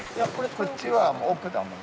こっちは奥だもん